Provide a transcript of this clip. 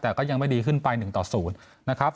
แต่ก็ยังไม่ดีขึ้นไป๑ต่อ๐นะครับ